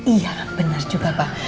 iya benar juga pak